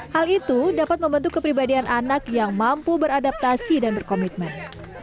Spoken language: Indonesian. hal itu dapat membentuk kepribadian anak yang mampu beradaptasi dan berkomitmen